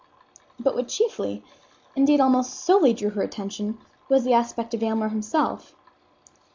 But what chiefly, indeed almost solely, drew her attention, was the aspect of Aylmer himself.